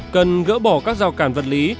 cần gỡ bỏ các giao cản vật lý